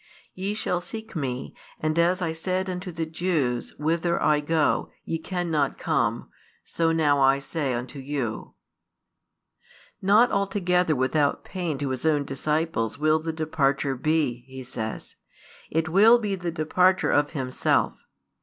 Ye shall seek Me: and as I said unto the Jews, Whither I go, ye cannot come; so now I say unto you. Not altogether without pain to His own disciples will the departure be, He says; it will be the departure of Himself.